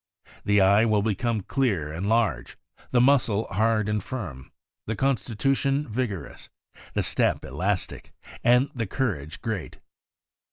The eye will become clear and large, the muscle hard and firm, the constitution vigorous, the step elastic, and the courage great.